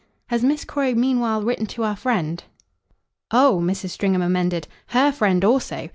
"Has Miss Croy meanwhile written to our friend?" "Oh," Mrs. Stringham amended, "HER friend also.